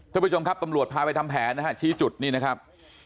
ท่านผู้ชมครับตำรวจพาไปทำแผนนะฮะชี้จุดนี่นะครับ